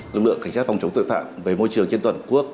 lực lượng cảnh sát phòng chống tội phạm về môi trường trên toàn quốc